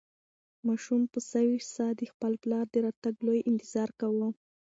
ماشوم په سوې ساه د خپل پلار د راتګ لوی انتظار کاوه.